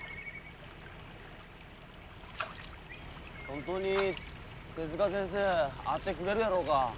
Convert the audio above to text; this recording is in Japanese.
本当に手先生会ってくれるやろうか。